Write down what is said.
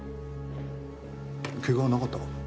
怪我はなかったか？